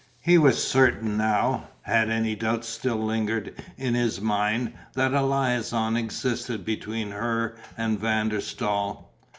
He was certain now, had any doubt still lingered in his mind, that a liaison existed between her and Van der Staal.